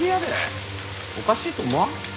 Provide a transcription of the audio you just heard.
おかしいと思わん？